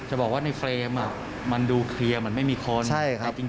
จะบอกว่าในเฟรมมันดูเคลียร์มันไม่มีคน